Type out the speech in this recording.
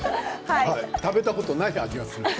食べたことない味がする。